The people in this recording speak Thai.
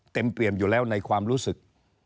เปรียมอยู่แล้วในความรู้สึก